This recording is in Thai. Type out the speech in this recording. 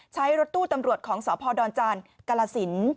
ใช้รถตู้ตำรวจของสพดอนจานกรสิน